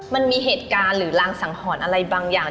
มันมีเหตุการณ์หรือรางสังหรณ์อะไรบางอย่าง